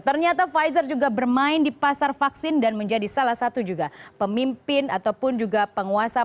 ternyata pfizer juga bermain di pasar vaksin dan menjadi salah satu juga pemimpin ataupun juga penguasa